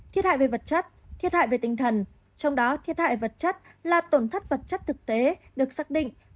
thiệt hại về vật chất thiết hại về tinh thần trong đó thiệt hại vật chất là tổn thất vật chất thực tế được xác định